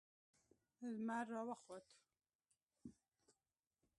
لمر را وخوت.